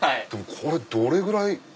これどれぐらい。